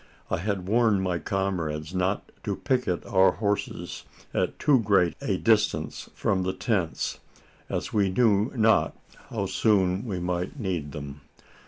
I had warned my comrades not to picket our horses at too great a distance from the tents: as we knew not how soon we might need them.